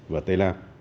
và tây lan